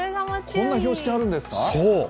こんな標識あるんですか。